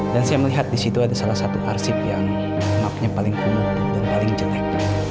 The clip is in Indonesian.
dan saya melihat di situ ada salah satu arsip yang map nya paling kuno dan paling jelek